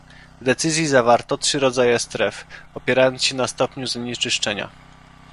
W decyzji zawarto trzy rodzaje stref, opierając się na stopniu zanieczyszczenia